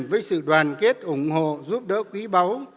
với sự đoàn kết ủng hộ giúp đỡ quý báu